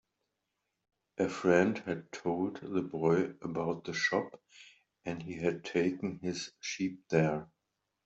A friend had told the boy about the shop, and he had taken his sheep there.